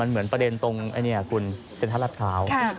มันเหมือนประเด็นตรงเซ็นทรัศน์รัฐพราว